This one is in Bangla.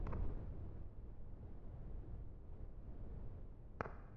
আমি এখানে তোমার ফ্যামিলি প্লানের প্রোগ্রাম শুনতে আসি নি!